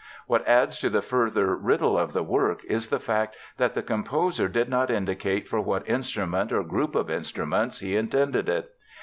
What adds to the further riddle of the work is the fact that the composer did not indicate for what instrument or group of instruments he intended it.